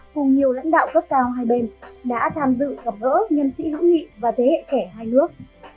cùng nhiều lãnh đạo cấp cao hai bên đã tham dự gặp gỡ nhân sĩ hữu nghị và thế hệ trẻ hai nước